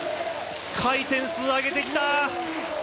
回転数、上げてきた！